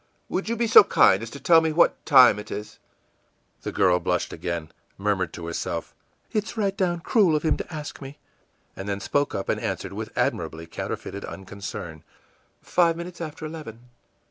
î ìWould you be so kind as to tell me what time it is?î The girl blushed again, murmured to herself, ìIt's right down cruel of him to ask me!î and then spoke up and answered with admirably counterfeited unconcern, ìFive minutes after eleven.